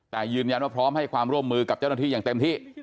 แต่ยืนยันว่าพร้อมให้ความร่วมมือกับเจ้าหน้าที่อย่างเต็มที่